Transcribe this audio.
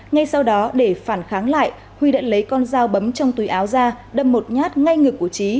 ngay sau đó để phản kháng lại huy đã lấy con dao bấm trong túi áo ra đâm một nhát ngay ngực của trí